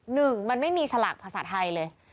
หนึ่งมันไม่มีฉลากภาษาไทยเลย